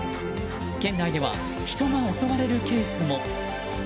県内では人が襲われるケースも。